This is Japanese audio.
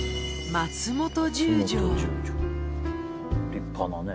立派なね。